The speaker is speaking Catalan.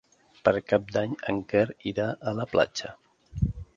Per Cap d'Any en Quer irà a la platja.